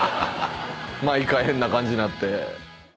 毎回変な感じになって。